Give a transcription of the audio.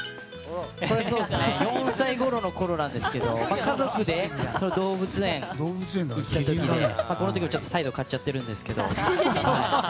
４歳ごろなんですけど家族で動物園に行った時でこの時もサイド刈っちゃってるんですけど。